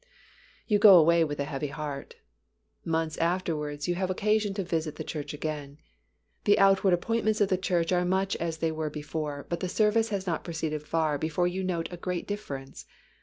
You go away with a heavy heart. Months afterwards you have occasion to visit the church again; the outward appointments of the church are much as they were before but the service has not proceeded far before you note a great difference.